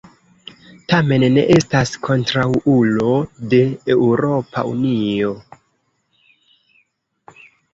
Tamen ne estas kontraŭulo de Eŭropa Unio.